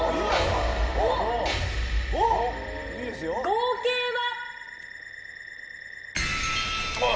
合計は？